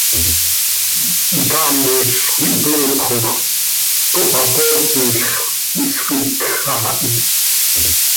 Hicaamiz quih hpoopox, cohpapootizx, ihsfíc haa hi.